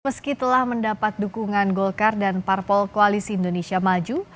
meski telah mendapat dukungan golkar dan parpol koalisi indonesia maju